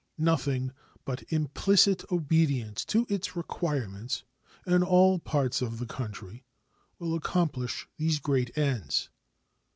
Nothing but implicit obedience to its requirements in all parts of the country will accomplish these great ends.